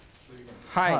はい。